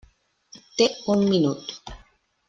Té un minut.